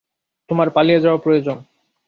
তোমার পালিয়ে যাওয়া প্রয়োজন।